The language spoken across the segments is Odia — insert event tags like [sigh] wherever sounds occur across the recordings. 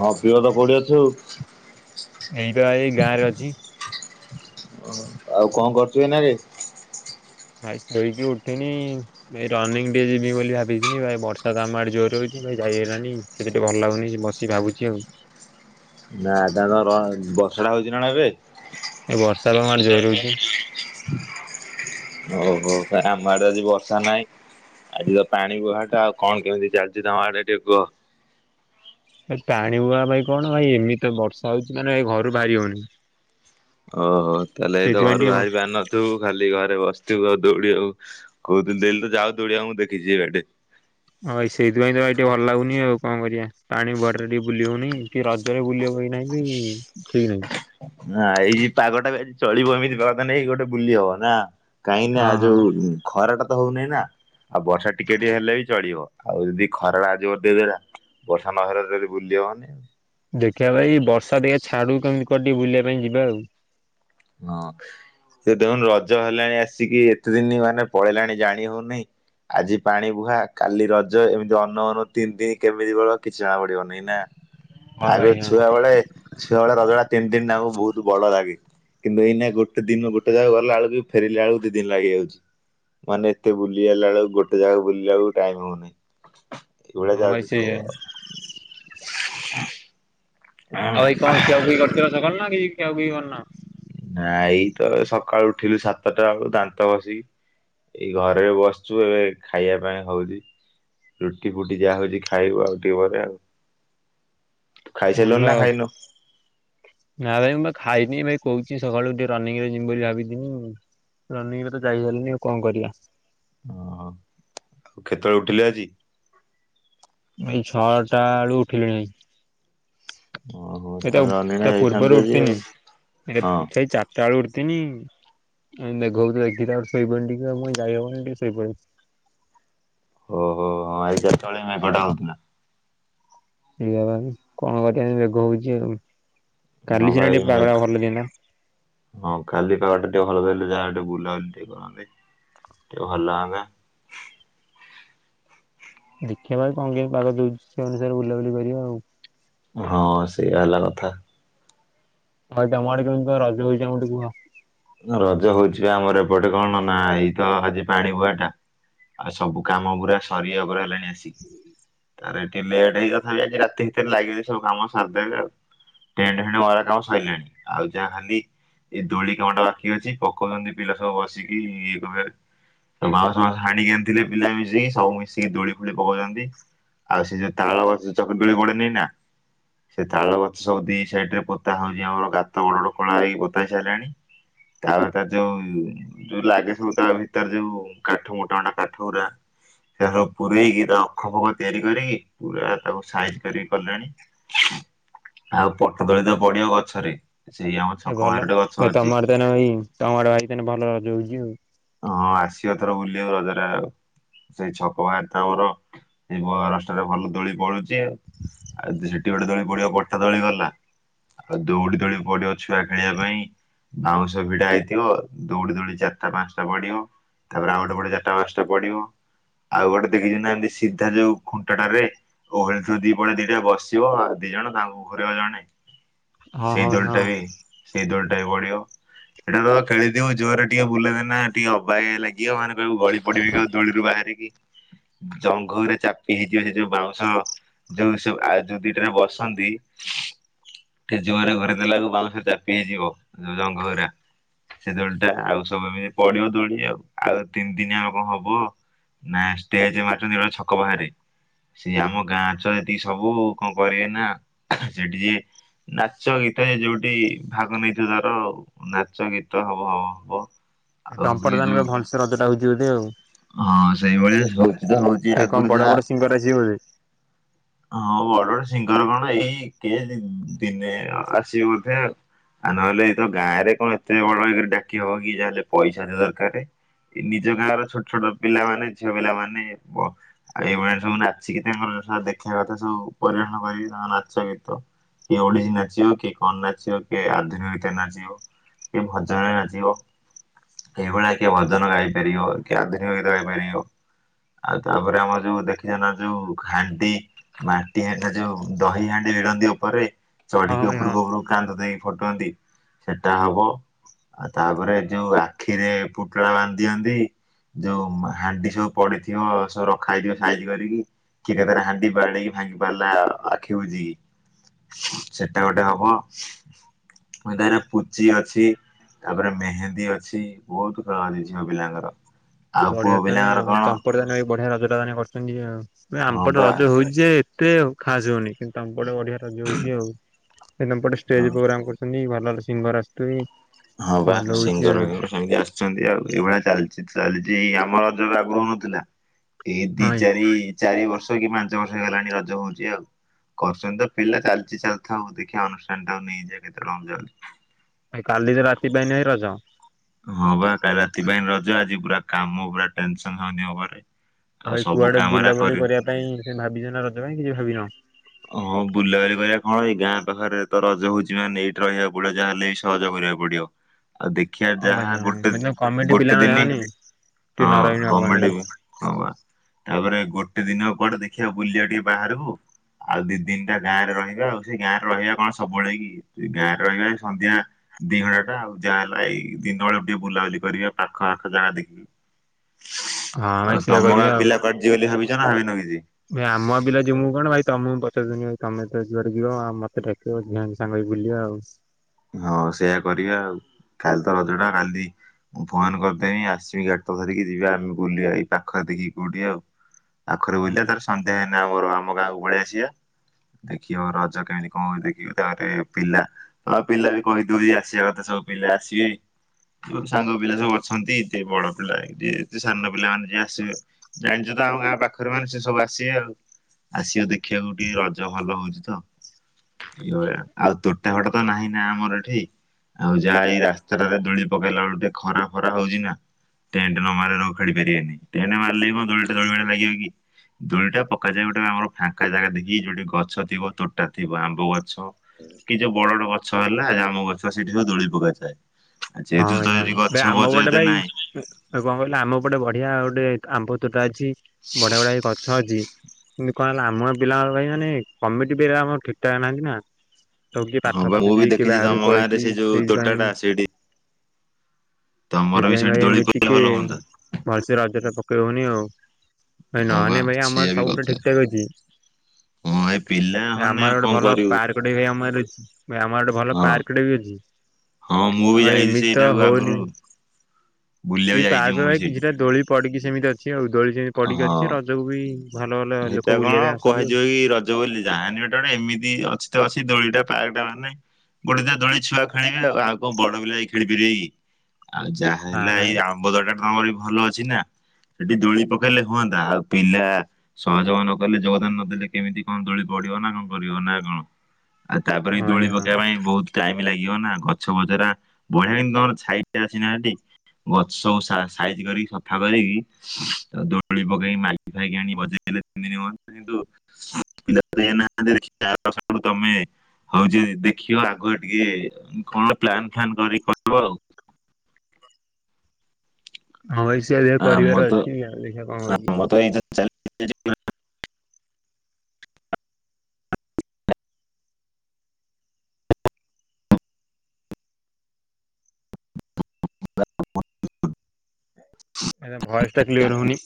ହଁ ପିଅ ତ କୋଉଠି ଅଛୁ? ଏଇବା ଏଇ ଗାଁ ରେ ଅଛି। ଓ ଆଉ କଣ କରୁଛୁ ଏଇନା ଏବେ? ଭାଇ ଶୋଇକି ଉଠୁନି ଏଇ ରନିଂ ଟିକେ ଯିବି ବୋଲି ଭାବିଥିଲି। ଭାଇ ବର୍ଷା ତ ଆମ ଆଡେ ଜେରେ ହଉଛି ଭାଇ ଯାଇ ହେଲାନି। ସେ ଟିକେ ଭଲ ଲାଗୁନି ବସି ଭାବୁଛି ଆଉ। ନା ତାଙ୍କ ବର୍ଷ ଟା ହଉଛି ନା ଏବେ? ଏଇ ବର୍ଷା ବା ଆମ ଆଡେ ଜୋର ହଉଛି। ଓହୋ ଆମ ଆଡେ ଆଜି ବର୍ଷା ନାଇଁ। ଆଜି ତ ପାଣି ବୁହାଟା ଆଉ କଣ କେମିତି ଚାଲିଚି ତମ ଆଡ଼େ ଟିକେ କୁହ? ଏ ପାଣି ବୁହା ପାଇ ଭାଇ କଣ ଭାଇ ଏମିତି ବର୍ଷା ହଉଛି ମାନେ ଏ ଘରୁ ବାହାରି ହଉନି। ଓହୋ ତାହେଲେ ଏଇତ ସେଇଥିପାଇଁ ଘରୁ ଟିକେ ହଁ ବାହାରିବ ଆନ ତୁ ଖାଲି ଘରେ ବସିଥିବୁ ଆଉ ଦୌଡ଼ିଆକୁ କହୁଥିଲି ଡ଼େଲି ତ ଯାଉ ଦୌଡ଼ିବା ମୁଁ ଦେଖିଚି ଏଇ ବାଟେ। ହଁ ଭାଇ ସେଇଥି ପାଇଁ ତ ଭାଇ ଟିକେ ଭଲ ଲାଗୁନି ଆଉ କଣ କରିବା ପାଣି ବୁହାଟା ରେ ଟିକେ ବୁଲି ହଉନି। କି ରଜରେ ବୁଲି ହବ କି ନାଇଁ କି ଠିକ ନାହିଁ। ନା ଏଇ ପାଗଟା ବି ଆଜି ଚଳିବ ଏମିତି ପାଗ ଦେନେ ଏଇ ଗୋଟେ ବୁଲି ହବ, ନା? କାହିଁକିନା ହଁ ହଁ ଯୋଉ ଖରାଟା ତ ହଉନେହିଁ ନା। ଆଉ ବର୍ଷା ଟିକେ ଟିକେ ହେଲେ ବି ଚଳିବ ଆଉ ଯଦି ଖରାଟା ଆଜିିବ ବ ଦେଇ ଦେଲା ବର୍ଷା ନହେଲେ ଡ଼େଲି ବୁଲିହବନି। ଦେଖିଆ ଭାଇ ବର୍ଷା ଟିକେ ଛାଡ଼ୁ କେମିତି କୁଆଡ଼େ ଟିକେ ବୁଲିବା ପାଇଁ ଯିବା ଆଉ। ହଁ ସେ ଦେଖନ୍ତୁ ରଜ ହେଲାଣି ଆସିକି ଏତେ ଦିନି ମାନେ ପଳେଇଲାଣି ଜାଣି ହଉନି। ଆଜି ପାଣି ବୁହା କାଲି ରଜ ଏମିତି ଅନଉ ଅନ ତିନି ଦିନ କେମିତି ପଳେଇବ କିଛି ଜଣା ପଡ଼ିବ ନାହିଁ ନା। ହଁ ଭାଇ ଆଗୁରୁ ହଁ ଛୁଆ ବେଳେ ଛୁଆ ବେଳେ ରଜଟା ତିନି ଦିନି ଟାକ ବହୁତ ଭଲ ଲାଗେ। କିନ୍ତୁ ଏଇନାକେ ଗୋଟେ ଦିନ ଗୋଟେ ଜାଗାକୁ ଗଲା ବେଳକୁ ଫେରିଲାବେଳକୁ ଦି ଦିନ ଲାଗିଯାଉଚି। ମାନେ ଏତେ ବୁଲି ଆଇଲା ବେଳକୁ ଗୋଟେ ଜାଗା ବୁଲିଲା ବେଳକୁ ଟାଇମ୍ ହଉ ନାହିଁ। ଏଇଭଳିଆ ହଁ ଭାଇ ଯାଉଚି ସବୁ ସେଇଆ। ଆଉ। ଆଉ ଭାଇ କଣ ଖିଆଖୁଇ କରିଥିଲ ସକାଳୁ ନା କିଛି ଖିଆଖୁଇ କରିନ? ନା ଏଇ ତ ସକାଳୁ ଉଠିଲୁ ସାତଟା ବେଳୁ ଦାନ୍ତ ଘସିକି ଏଇ ଘରେ ବସିଚୁ ଏବେ ଖାଇବା ପାଇଁ ହଉଚି। ରୁଟି ଫୁଟି ଯାହା ହଉଚି ଖାଇବୁ ଆଉ ଟିକେ ପରେ ଆଉ। ତୁ ଖାଇସାରିଲୁଣି ଭଲ ନା ଆଉ। ଖାଇନୁ? ନା ଭାଇ ମୁଁ ପା ଖାଇନି ଭାଇ କହୁଛି ସକାଳୁ ଟିକେ ରନିଂ ରେ ଜିମି ବୋଲି ଭାବିଥିନି। ରନିଂରେ ତ ଯାଇ ହେଲନି ଆଉ କଣ କରିଆ। ଓହୋ ଆଉ କେତେବେଳେ ଉଠିଲେ ଆଜି? ଏଇ ଛଅଟା ଏଳୁ ଉଠିଲିଣି। ଓହୋ। ଏଟା ତାହେଲେ ଅନିନା ତା ଯାଇଥାନ୍ତୁ ପୂର୍ବରୁ ଆଜି ଆଉ। ଉଟିତିନି ହଁ ଏଇଟା ସେଇ ଚା ଟାଳୁ ଉଠିଥିନି ଏଇ ମେଘକୁ ଦେଖିକି ତାପରେ ଶୋଇପଇନି ଟିକେ ଆଉ ମୁଇ ଯାଇହବନି ଟିକେ ଶୋଇପଇନି। ଓହୋ ହଁ ଏଗାରଟା ଏଳେ ମେଘଟା ହଉଥିଲା। [unintelligible] କଣ କରିବା ଏମି ମେଘ ହଉଚି ଆଉ। ହଁ କାଲି ସିନା ଭାଇ ଟିକେ ମେଘ ପାଗଟା ଭଲ ଥିଲା। ହଁ କାଲି ପାଗଟା ଟିକେ ଭଲ ଦେଲେ ଯାହା ଟିକେ ବୁଲାବୁଲି ଟିକେ କରନ୍ତେ ଟିକେ ଭଲ ଲାଗନ୍ତା। ଦେଖିଆ ଭାଇ କଣ କେମି ପାଗ ଦଉଚି ସେଇ ଅନୁସାରେ ବୁଲାବୁଲି କରିବା ଆଉ। ହଁ ସେଇଆ ହେଲା କଥା। ଭାଇ ତମ ଆଡ଼େ କେମିତି କଣ ରଜ ହଉଚି ଟିକେ ଆମକୁ ଟି କୁହ। ରଜ ହଉଚି ବା ଆମର ଏପଟେ କଣ ନା ଏଇ ତ ଆଜି ପାଣି ବୁହାଟା। ଆ ସବୁ କାମ ପୁରା ସରିିବା ଓପରେ ହେଲାଣି ଆସିକି। ଆରେ ଏଠି ଲେଟ୍ ହେଇ ତଥାପି ଆଜି ରାତି ଭିତରେ ଲାଗି ସବୁ କାମ ସାରଦେବେ ଆଉ। ଟେଣ୍ଟ ଫେଣ୍ଟ ମରା କାମ ସଇଲାଣି ଆଉ ଯାହା ଖାଲି ଏ ଦୋଳି କାମଟା ବାଖି ଅଛି ପକଉଛନ୍ତି ପିଲା ସବୁ ବସିକି [unintelligible] ବାଉଁଶ ଫାଉଂସ ହାଣିକି ଆଣିଥିଲେ ପିଲା ମିଶିକି ସବୁ ମିଶିକି ଦୋଳି ଫୋଳି ପକଉଛନ୍ତି। ଆଉ ସେଇ ଯୋଉ ତାଳ ଗଛ ଚକିରି ଦୋଳି ପଡ଼େ ନେଇ ନା ସେ ତାଳ ଗଛ ସବ ଦି ସାଇଡ଼ ରେ ପୋତା ହଉଛି ଆମର ଗାତ ଓରଡ଼ ଖୋଳା ହେଇକି ପୋତା ହେଇ ସାଇଲାଣି। ତାଳ ଟା ଯୋଉ ଯୋଉ ଲାଗେ ସବୁ ତା ଭିତରେ ଯୋଉ କାଠ ମୋଟା ମୋଟା କାଠ ଗୁରା। ସେ ସବୁ ପୁରରେଇକି ତା ଅଖ ଫଖ ତିଆରି କରିକି ପୁରା ତାକୁ ସାଇଜ କରିକି କଲାଣି। ଆଉ ପଟ ଦୋଳି ତ ପଡିବ ଗଛରେ ସେଇ ଆମ ଛକ ବାହାରଟେ ଗଛ ଅଛି। ତନ ଭାଇ ଇଣ୍ଟା ମାଡ଼ ହେଇଥଲେ ଭଲ ଯୋଉଁ ଯୋଉଁ। ହଁ ଆସିବ ଏଥର ବୁଲିବାକୁ ରଜରେ ଆଉ। ସେଇ ଛକ ବାହାର ତା ମୋର ସେଇ ମହାରସ୍ତାରେ ଭଲ ଦୋଳି ପଳୁ ଉ ସେଠି ଗୋଟେ ଦୋଳି ପଡିବା ବର୍ଟା ଦୋଳି ଗଲା ଆଉ ଦୌଡି ଦୌଡି ପଡିବ ଛୁଆ ଖେଳିବା ପାଇଁ ବାଉଁଶ ଭିଡା ହେଇଥିବ ଦୌଡି ଦୌଡି ଚାରିଟା ପାଞ୍ଚ ଟ ବଢ଼ିବୁ ତାପରେ ଆଉ ଗଟେ ଚାରିଟା ପାଞ୍ଚଟା ପଡିବ ଆଉ ଗୋଟେ ଦେଖିଛ ନା ଏମିତି ସିଧା ଯୋଉ ଖୁଣ୍ଟଟା ରହେ। ଓହଳି ଥୁ ଦି ପଡଆ ଦିଟା ବସିବ ଦି ଜଣ ତାଙ୍କୁ ଘୁରଇବ ଜଣେ। ହଁ ସେଇ ହଁ ଦୋଲଟା ହଁ ବି ସେଇ ଦୋଳିଟା ବଡିବ ଏଟା ତ ଖେଳିଥିବ ଜୋର ଟିକେ ବୁଲଦେ ନା ଟିକେ ଅବାଗିଆ ଲାଗି ଇଅ ମାନେ କହିବୁ ଗଳି ପଡିବି କିଉ ଦୋଳିରୁ ବାହାରିକି ଜଙ୍ଘରେ ଚାପି ହେଇଯିବ ସେ ଯୋଉ ବାଉଁଶ ଯୋଉ ସେ ଆ ଯୋଉ ଦିଟାରେ ବସନ୍ତି ଟିକେ ଜୋରେ ଘରେଇ ଦେଲାକୁ ବାଉଁଶ ଚାପି ହେଇଯିବ ଯୋଉ ଜଙ୍ଘହୋରା। ସେ ଦୋଳି ଟା ଆଉ ସବୁମ ପଡିବ ଦୋଳି ଆଉ ଆଉ ତିନି ଦିନିଆ ହବ ହବ। ନା ଷ୍ଟେଜ [unintelligible] ଛକ ବାହାରେ। ସେ ଆମ ଗାଁ ଛୁଆ ଏତିକି ସବୁ କଣ କରିବେ ନା ସେଠି ଯିଏ ନାଚ ଗୀତ ଯ ଯୋଉଠି ଭାଗ ନେଇଥିବ ତାର ନାଚ ଗୀତ ହବ ହବ ହବ। ଆଉ ଏଇ ତଂପଟେ ଯୋଉ ଜାଣେ ଭଲସେ ରଜ ଟା ହଉଛି ବୋଧେ ଆଉ। ହଁ ସେଇଭଳିଆ ହଉଛି ତ ହଉଛି ଏଇ କଣ ଆଗରୁ ବଡ ଯାହା ବଡ ସିଙ୍ଗର ଆସିବେ ବୋଧେ? ହଁ ବଡ ସିଙ୍ଗର କଣ ଏଇ କେ ଦିନେ ଆସିବେ ବୋଧେ। ଆଉ ନହେଲେ ଏଇତ ଗାଁ ରେ କଣ ଏତେ ବଡଇ ଡାକି ହବ କି ଯାହାେଲେ ପଇସା ଦରକାର ନିଜ ଗାଁର ଛୋଟ ଛୋଟ ପିଲାମାନେ ଝିଅ ପିଲାମାନେ ବ ଆଉ ଏଇଭଳିଆ ସବୁ ନାଚିକି ତାଙ୍କରା ଦେଖିବା କଥା ସବୁ ପରରିିବେନ କରିକି ତାଙ୍କ ନାଚ ଗୀତ କିଏ ଓଡିଶୀ ନାଚିବ କିଏ କଣ ନାଚିବା କିଏ ଆଧୁନିକୀତା ନାଚିବ। କିଏ ଭଜନରେ ନାଚିବ ଏଇଭଳିଆ କିଏ ଭଜନ ଗାଇ ପାରିବ। କିଏ ଆଧୁନିକ ଗୀତ ଗାଇପାରିବ ଆଉ ତାପରେ ଆମର ଯୋଉ ଦେଖିଛ ନା ଯୋଉ ହାଣ୍ଡି? ମାଟି ହାଣ୍ଡି ରେ ଯୋଉ ଦହି ହାଣ୍ଡି ବିିଡନ୍ତି ଉପରେ ହଁ ଚଢିକି ଭାଇ ହଁ ଉପରକୁ ଉପର କାନ୍ତ ଦେଇକି ଫଟନ୍ତି ସେଟା ହବ। ଆଉ ତାପରେ ଯୋଉ ଆଖିରେ ପୋଟଳା ବାନ୍ଧି ଦିଅନ୍ତି ଯୋଉ ହାଣ୍ଡି ସବୁ ପଡିଥିବ ସବୁ ରଖା ହେଇଥିବ ସାଇଜ କରିକି କି କେଥଟା ହାଣ୍ଡି ବାଡେଇକି ଭାଙ୍ଗି ପାରିଲା ଆଖି ବୁଜିକି। ସେଟା ଗୋଟେ ହବ [unintelligible] ଏଟରେ ପୁଚି ଅଛି। ତାପରେ ମେହେନ୍ଦୀ ଅଛି ବହୁତ ଖେଳ ଅଛି ଝିଅ ପିଲାଙ୍କର। ଏ ଆଉ ବଢିଆ ପୁଅ ତାନେ ପିଲାଙ୍କର ଆଉ କଣ ତମ୍ପଟେ ଦାନ ଏ ବଢିଆ ରଜ ଟାନେ କରଛନ୍ତି ଆଉ ହଁ ଆମ୍ପଟେ ବା ରଜ ହଉଛି ଯେ ଏତେ ଖାସ ହଉନି କିନ୍ତୁ ତାଂପଟେ ବଢିଆ ରଜ ହୋଉଛି ଆଉ। ହୀନ ପଟେ ହଁ। ଷ୍ଟେଜ ପ୍ରୋଗ୍ରାମ କରୁଛନ୍ତି ଭଲ ଭଲ ସିଙ୍ଗର ଆସୁଥିବେ। ହଁ ବା ଭଲ ହଉଛି ସିଙ୍ଗର ଆଉ। ପିଙ୍ଗର ସେମିତି ଆ ସନ୍ତି ଆଉ ଏଇଭଳିଆ ଚାଲିଛି ଚାଲିଛି ଆମ ରଜରେ ଆଗରୁ ହଉନଥିଲା? ଏଇ ଦି ହଁ ଭାଇ ଚାରି ଚାରି ବର୍ଷ କି ପାଞ୍ଚ ବର୍ଷ ହେଇଗଲାଣି ରଜ ହଉଛି ଆଉ। କରସଛନ୍ତି ତ ପିଲା ଚାଲିଛି ଚାଲିଥାଉ ଦେଖିବା ଅନୁଷ୍ଠାନ ଟା ନେଇଯା କେତେ ଟଙ୍କା ଯାଉଛି। ଭାଇ କାଲି ତ ରାତି ପାଇଁନେ ଭାଇ ରଜ। ହଁ ବା କାଲି ରାତି ପାଇଁ ରଜ ଆଜି ପୁରା କାମ ପୁରା ଟେନସନ୍ ହଉନି ହବରେ। ଭାଇ କୁଆଡେ ବୁଲାବୁଲି କରିଆ ପାଇଁ ଭାବିଚ ନା ରଜ ପାଇଁ କିଛି ଭାବିନ? ହଁ ବୁଲାବୁଲି କରିଆ କଣ ଏଇ ଗାଁ ପାଖରେ ତ ରଜ ହଉଚି ମାନେ ଏଇଠି ରହିଆକୁ ପଡିବ ଯାହା ହେଲେ ବି ସହଯ କରିଆକୁ ପଡିଅ। ଆ ଦେଖିଆ ହଁ ଭାଇ ଯାହା ଗୋଟେ ହଁ କମିଟି ପିଲା ଗୋଟେ ଦିନି ମାନେ କି ନ ହଁ ରହିନୁ ହବନି କମିଡି କି ହଁ ବା ତାପରେ ଗୋଟେ ଦିନ କୁଆଡେ ଦେଖିଆ ବୁଲିଆ ଟିକେ ବାହାରକୁ। ଆଉ ଦି ଦିନିଟା ଗାଁ ରେ ରହିବା ଆଉ ସେଇ ଗାଁରେ ରହିବା କଣ ସବୁବେଳେ କି ସେ ଗାଁରେ ରହିବା ଏ ସନ୍ଧ୍ୟା ଦି ଘଣ୍ଟା ଟା ଆଉ ଯାହା ହେଲା ଏଇ ଦିନ ଅଳୁ ଟିକେ ବୁଲାବୁଲି କରିବା ପାଖ ଆଖ ଯାହା ଦେଖିକି। ହଁ ଭାଇ ଆଉ ସେଇଆ ତମ କରିବା ଗାଁ ଆଉ ପିଲା କୁଆଡ୍ ଯିବ ବୋଲି ଭାବିଚ ନା ଭାବିନ କିଛି? ଭାଇ ଆମ ପିଲା ଯିମୁ କଣ ଭାଇ ତମକୁ ପଚାରୁ ଥିନି ଭାଇ ତମେ ତ ଯୁଆଡେ ଯିବ ଆ ମତେ ଡା [unintelligible] ସାଙ୍ଗ ହେଇ ବୁଲିଆ ଆଉ। ହଁ ସେଇଆ କର ଆଉ ଖାଲି ତ ରଜ ଟା କାଲି ମୁଁ ଫୋନ୍ କରିଦେମି ଆସିବି ଗାଡ୍ ଟା ଧରିକି ଯିବା ଆମେ ବୁଲିବା ଏଇ ପାଖରେ ଦେଖିକି କୋଉଠି ଆଉ। ପାଖରେ ହଁ ବୁଲିଆ ଭାଇ ତାରେ ସନ୍ଧ୍ୟା ହେନେ ଆମର ଆମ ଗାଁକୁ ପଳେ ଆସିଆ। ଦେଖିବ ରଜ କେମିତି କଁ [unintelligible] ଦେଖିବ ତାରେ ପିଲା ହଁ ପିଲା ବି କହି ଦଉଚି ଆସିବା କଥା ସବୁ ପିଲା ଆସିଏ। ମୋ ସାଙ୍ଗ ପିଲା ସବୁ ଅଛନ୍ତି ଯେ ବଡ ପିଲା ଯେ ସାନ ପିଲାମାନେ ଯିଏ ଆସିବେ। ଜାଣିଛୁ ତ ଆମ ଗାଁ ପାଖରେ ମାନେ ସେ ସବୁ ଆସିବେ ଆଉ। ଆସିଅ ଦେଖିଆକୁ ଟିକେ ରଜ ଭଲ ହଉଚି ତ ଇଏ ଭଳିଆ ଆଉ ତୋଟା ଫଟା ତ ନାହିଁ ନା ଆମର ଏଠି। ଆଉ ଯାହା ଏଇ ରାସ୍ତାଟାରେ ଦୋଳି ପକେଇଲା ଆଳୁ ଟିକେ ଖରା ଫରା ହଉଚି ନା। ଟେଣ୍ଟ ନ ମାରିଲେ ଲୋ ଖେଳି ପାରିଏନି ଟେଣ୍ଟ ମାରିଲେ କଣ ଦୋଳି ଟା ଦୋଳି ଭଳିଆ ଲାଗିବ କି? ଦୋଳିଟା ପକାଯାଏ ଗୋଟେ ଆମର ଫାଙ୍କା ଜାଗା ଦେଖିକି ଯୋଉଠି ଗଛ ଥିବ ତୋଟା ଥିବ ଆମ୍ବ ଗଛ ହୁଁ। କି ଯୋଉ ବଡ ଗଡ ଗଛ ହେଲା ଜାମୁ ଗଛ ସେଠି ସବୁ ଦୋଳି ପକାଯାଏ। ଆ ଯେହେତୁ ତ ଏଠି ଗଛ ପଛ ଏତେ ନାଇଁ ଏ ଆଉ କଁ କହିଲ ଆମ ପଟେ ବଢିଆ ଗୋଟେ ଆମ୍ବ ତୋଟା ଅଛି ବଢିଆ ବଢିଆ ବି ଗଛ ଅଛି [unintelligible] କଁ ହେଲା ଆମ ଗାଁ ପିଲା ଭାଇ ମାନେ କମିଟି ପିଲା ଆମ ଠିକ୍ ଠାକ୍ ନାହାନ୍ତି ନା। ସବୁ କିିଏ ହଁ ପାଠ ବା ମୁଁ ପଢୁଚି ବି ସବୁ କିଏ ଦେଖିଛି ତମ ବାହାରକୁ ଗାଁ ରେ ପଳେଇଚି ସେଇ ଯୋଉ ତୋଟା ଟା ସେଇଥିପାଇଁ ସେଇଠି ତମର ବି ସେଇଥିପାଇଁ ସେଇଠି ଭାଇ ଦୋଳି ଏମ୍ତି ପଇଲେ ଟିକେ ଭଲ ହୁଅନ୍ତା। ଭଲ୍ ସେ ରଜ ଟା ପକେଇ ହଉନି ଆଉ। ଆ ହଁ ବା ନହନେ ଭାଇ ଆମ ସେଇଆ ଆଡ୍ ବି ସବୁ କଥା। ଠିକ ଠାକ୍ ଅଛି। ହଁ ଏ ପିଲା ସେ ମାନେ ଆମ ଆଉ ଆଡେ ଗୋଟେ କଣ ଭଲ କରିବୁ ପାର୍କ ଗୋଟେ ଭାଇ ଆମରି ଭାଇ ଆମ ଆଡେ ଭଲ ହଁ ପାର୍କଟେ ବି ଅଛି। ହଁ ମୁଁ ବି ଆଉ ଯାଇଚି ସେଇଟାକୁ ଆଗୁରୁ। ସେ ପାର୍କରେ ଭାଇ ସେଇଠି କିଛିଟା ଦୋଳି ପଡିକି ସେମିତି ଅଛି ଆଉ ଦୋଳି ସେମିତି ପଡିକି ଅଛି ରଜକୁ ବି ଭଲ ଭଲ ଲୋକ ହେଇତା କଣ ବୁଲିବା ପାଇଁ ଆସନ୍ତି ଆଉ କୁହାଯିବ କି ର ଜ ବୋଲି ଯାହେନେ ଗୋଟେ ଗୋଟେ ଏମିତି ଅଛି ତ ଅଛି ଦୋଳିଟା ପାର୍କଟା ମାନେ ଗୋଟେ ଦ ଦୋଳି ଛୁଆ ଖେଳିବେ ଆଉ ଆଉ କଁ ବଡ ପିଲା ଯାଇ ଖେଳିପାରିବେ କି? ଆଉ [unintelligible] ଯାହା ନା ହେଲା ନା ଏଇ ଆମ୍ବ ତୋଟା [unintelligible] ଭାରି ଭଲ ଅ ଛି ନା ସେଟି ଦୋଳି ପକେଇଲେ ହୁଅନ୍ତା ଆଉ ପିଲା ସହଯୋଗ ନକଲେ ଯୋଗଦାନ ନଦେଲେ କେମିତି କଣ ଦୋଳି ପଡିବ ନା କଣ କରିବ ନା କଣ? ଆ ତାପରେ ହଁ ଦୋଳି ପକେଇବା ପାଇଁ ବହୁତ୍ ଟାଇମ୍ ଲାଗିବ ନା ଗଛ ଫଛରା ବଢିଆ କିନ୍ତୁ ତମର ଛାଇଟା ଆସି ନା [unintelligible] ଗଛ ସବୁ ସା ସାଇଜି କରିକି ସଫା କରିକି ଅ ଦୋଳି ପକେଇକି ମାଇକି ଫାଇକି ଆଣି ବଜେ [unintelligible] ତମେ ହଉ ଯଦି ଦେଖିବ ଆଗୁଆ ଟିକେ କଣ ପ୍ଲାନ୍ ଫ୍ଲାନ୍ କରିକି କହିବ ଆଉ। ହଁ ଭାଇ ସେୟା ଦେଖିଆ ଆମର କରିବାର ତ ଅଛି, ଦେଖିଆ କଣ ହଉଛି? [unintelligible] [unintelligible] ଏରା, ଭଏସ ଟା କ୍ଲିୟର ହଉନି।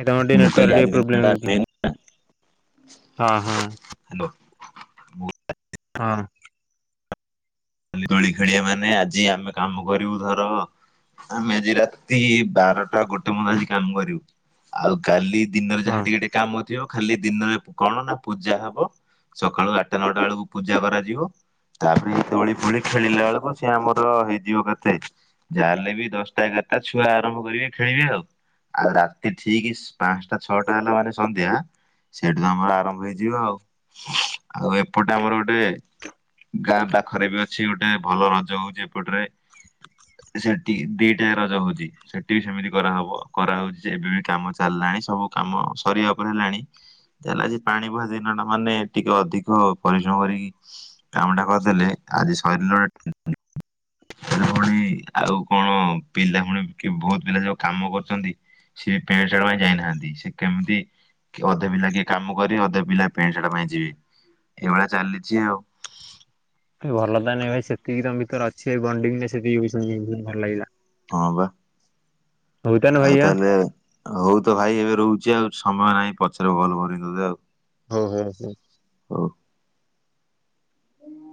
ଏ ତମର ଟିକେ ମୁ କହିଲି ନେଟୱାର୍କ ଟିକେ ଆଜି ପ୍ରୋବ୍ଲେମ ଦିନଟା ହଉଛି ମେନ୍। [unintelligible] ହଁ ହଁ। ହାଲୋ। ମୁଁ ହଁ। ଦୋଳି ଖେଳିଆ ମାନେ ଆଜି ଆମେ କାମ କରିବୁ ଧର ଆମେ ଆଜି ରାତି ବାରଟା ଗୋଟେ ମୁନ୍ଦ ଆଜି କାମ କରିବୁ। ଆଉ କାଲି ଦିନରେ ହଁ ଯାହା ଟିକେ ଟିକେ କାମ ଥିବ ଖାଲି ଦିନରେ କଣ ନା ପୂଜା ହବ। ସକାଳୁ ଆଠଟା ନଅଟା ବେଳକୁ ପୂଜା କରାଯିବ ତାପରେ ଏଦୋଳି ଦୋଳି ଖେଳିଲା ବେଳକୁ, ସିଏ ଆମର ହେଇଯିବ କେତେ ଯାହେଲେ ବି ଦଶଟା ଏଗାରଟା, ଛୁଆ ଆରମ୍ଭ କରିବେ ଖେଳିବେ ଆଉ। ଆଉ ରାତି ଠିକ ପାଞ୍ଚଟା ଛଅଟା ହେଲା ମାନେ ସନ୍ଧ୍ୟା ସେଇଠୁ ତ ଆମର ଆରମ୍ଭ ହେଇଯିବ ଆଉ, ଆଉ ଏପଟେ ଆମର ଗୋଟେ ଗାଁ ପାଖରେ ବି ଅଛି ଗୋଟେ ଭଲ ରଜ ହଉଛି ଏପଟରେ। ସେଠି ଦିଟା ରଜ ହଉଛି। ସେଠି ବି ସେମିତି କରାହବ, କରାହଉଛି ଏବେ ବି କାମ ଚାଲିଲାଣି ସବୁ କାମ ସରିବା ଉପରେ ହେଲାଣି। ଜ ଆଜି ପାଣି ବୁହା ଦିନ ନହେନେ ଟିକେ ଅଧିକ ପରିଶ୍ରମ କରିକି କାମ ଟା କଦେଲେ ଆଜି ଶ ଭଉଣୀ ଆଉ କଣ ପିଲା ଭୁଣି ବହୁତ ପିଲା ଯଉ କାମ କରୁଛନ୍ତି? ସେ ପେଣ୍ଟ ସାର୍ଟ ପାଇଁ ଯାଇନାହାନ୍ତି, ସେ କେମିତି କି ଅଧେ ପିଲା କିଏ କାମ କରିିବ, ଅଧେ ପିଲା ପେଣ୍ଟ ସାର୍ଟ ପାଇଁ ଯିବେ, ଏଇଭଳିଆ ଚାଲିଛି ଆଉ। ଭଲ ତ ନାଇଁ ଭାଇ ସେତିକି ତମ ଭିତରେ ଅଛି ବଣ୍ଡିଙ୍ଗ ସେତିିକି ବି ଶୁଣିକି ଭଲ ଲାଗିଲା। ହଁ ବା, ହଉ ଭାଇ ଆଉ ଆଁ ତାହେଲେ ହଉ ତ ଭାଇ ଏବେ ରହୁଛି, ଆଉ ସମୟ ନାହିଁ ପଛରେ ଫୋନ୍ କରନି ତତେ ଆଉ। ହଉ ହଉ। ହଉ। [inaudible]